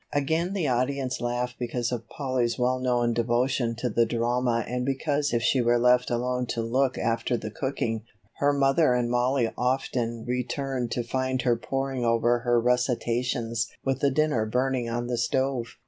Again the audience laughed because of Polly's well known devotion to the drama and because if she were left alone to look after the cooking, her mother and Mollie often returned to find her poring over her recitations with the dinner burning on the stove.